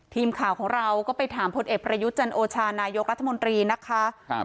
ทีมข่าวของเราก็ไปถามพลเอกประยุทธ์จันโอชานายกรัฐมนตรีนะคะครับ